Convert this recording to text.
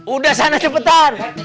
udah sana cepetan